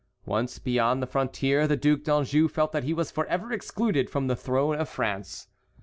Once beyond the frontier the Duc d'Anjou felt that he was forever excluded from the throne of France.